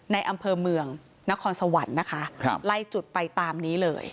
ในอำเภอเมืองนครสวรรค์นะคะครับไล่จุดไปตามนี้เลย